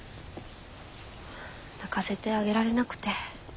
泣かせてあげられなくて。